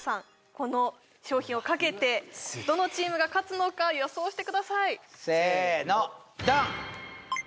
この賞品をかけてどのチームが勝つのか予想してくださいせーのダン！